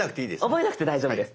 覚えなくて大丈夫です。